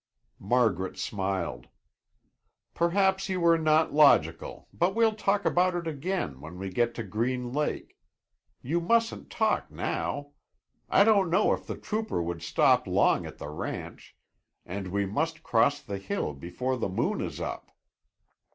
Margaret smiled "Perhaps you were not logical, but we'll talk about it again, when we get to Green Lake. You mustn't talk now. I don't know if the trooper would stop long at the ranch, and we must cross the hill before the moon is up."